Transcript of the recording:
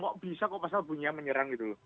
kok bisa pasal bunyi yang menyerang